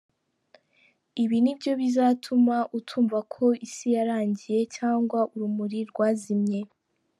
Ibi nibyo bizatuma utumva ko isi yarangiye cyangwa urumuri rwazimye.